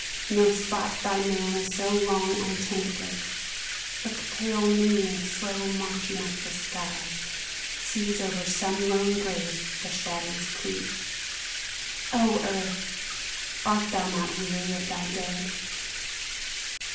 No spot by man so long untenanted. But the pale moon, slow marching up the sky, Sees over some lone grave the shadows creep ! O Earth ! art thou not weary of thy dead